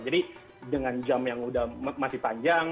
jadi dengan jam yang masih panjang